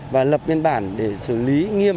và lập nguyên bản để xử lý nghiêm